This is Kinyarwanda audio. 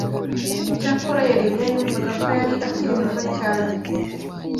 Icyakora Yeremiya yumvaga ko yari akiri muto cyane